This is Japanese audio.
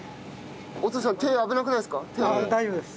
お父さん手危なくないですか？